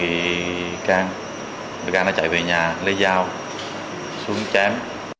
cái can nó chạy về nhà lấy dao xuống chém